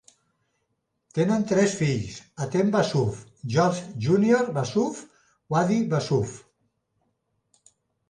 Tenen tres fills: Hatem Wassouf, George Junior Wassouf, Wadie Wassouf.